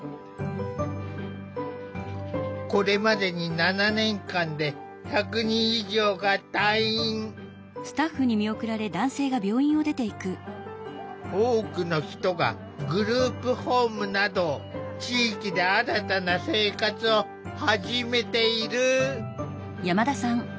これまでに多くの人がグループホームなど地域で新たな生活を始めている。